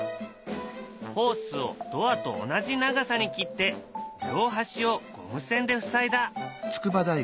ホースをドアと同じ長さに切って両端をゴム栓で塞いだ。